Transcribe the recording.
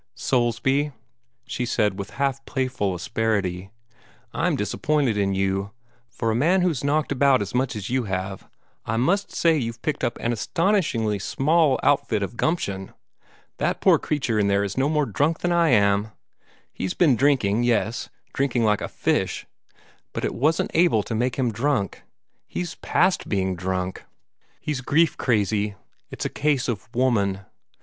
"Soulsby," she said with half playful asperity, "I'm disappointed in you. For a man who's knocked about as much as you have, I must say you've picked up an astonishingly small outfit of gumption. That poor creature in there is no more drunk than I am. He's been drinking yes, drinking like a fish; but it wasn't able to make him drunk. He's past being drunk; he's grief crazy. It's a case of 'woman.'